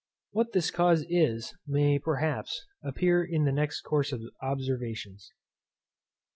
What this cause is, may, perhaps, appear in the next course of observations.